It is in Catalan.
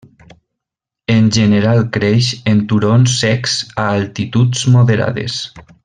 En general creix en turons secs a altituds moderades.